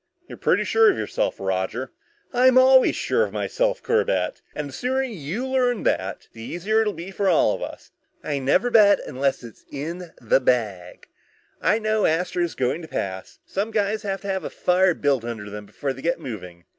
"You're pretty sure of yourself, Roger." "I'm always sure of myself, Corbett. And the sooner you learn that, the easier it'll be for all of us. I never bet unless it's in the bag. I know Astro's going to pass. Some guys have to have a fire built under them before they get moving.